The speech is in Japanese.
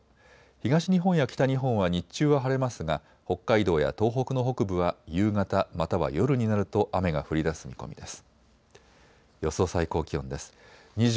東日本や北日本は日中は晴れますが北海道や東北の北部は夕方または夜になると雨が降りだす見込みです。